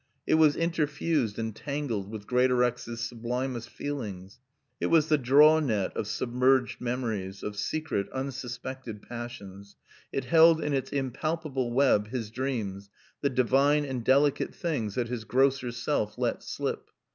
It was interfused and tangled with Greatorex's sublimest feelings. It was the draw net of submerged memories, of secret, unsuspected passions. It held in its impalpable web his dreams, the divine and delicate things that his grosser self let slip.